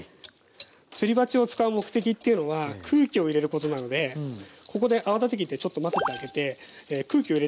すり鉢を使う目的っていうのが空気を入れることなのでここで泡立て器でちょっと混ぜてあげて空気を入れてあげるということです。